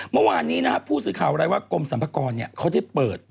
เมื่อวานนี้นะครับผู้สื่อข่าวอะไรว่ากรมสรรพากรเขาได้เปิด